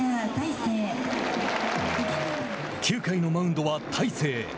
９回のマウンドは大勢。